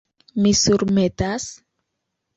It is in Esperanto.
Mi surmetas?